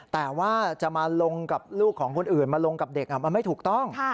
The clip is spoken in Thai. แต่ว่าจะมาลงกับลูกของคนอื่นมาลงกับเด็กมันไม่ถูกต้อง